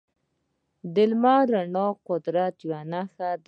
د لمر رڼا د قدرت یوه نښه ده.